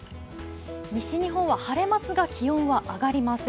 西日本は晴れますが気温は上がりません。